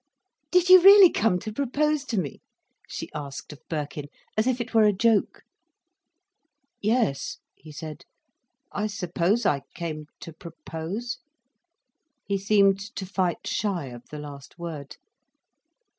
"Did you really come to propose to me?" she asked of Birkin, as if it were a joke. "Yes," he said. "I suppose I came to propose." He seemed to fight shy of the last word.